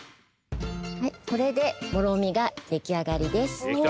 これでもろみができあがりです。